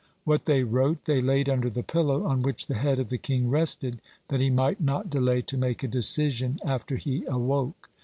What they wrote they laid under the pillow on which the head of the king rested, that he might not delay to make a decision after he awoke.